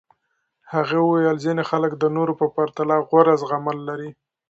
هغې وویل ځینې خلک د نورو پرتله غوره زغمل لري.